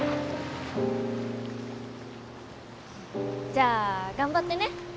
じゃあ頑張ってね！